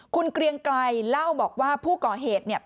คุณเกรียงไกรเล่าบอกว่าผู้ก่อเหตุเนี่ย